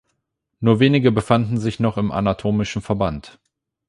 Nur wenige befanden sich noch im anatomischen Verband.